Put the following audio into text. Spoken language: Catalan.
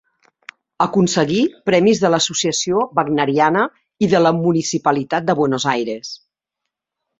Aconseguí premis de l'Associació Wagneriana i de la Municipalitat de Buenos Aires.